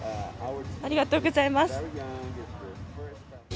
ありがとうございます。